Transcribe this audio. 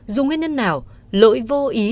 dù nguyên nhân nào lỗi vô ý